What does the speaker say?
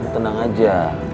kamu tenang aja